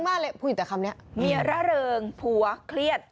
พูดอยู่แต่คำนี้เมียระเริงผัวเครียด